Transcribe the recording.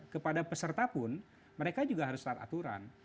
kepada peserta pun mereka juga harus taat aturan